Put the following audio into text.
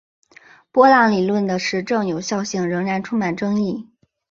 波浪理论的实证有效性仍然充满争议。